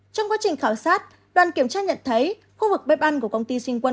trong quá trình khảo sát đoàn kiểm tra nhận thấy khu vực bếp ăn của công ty sinh quân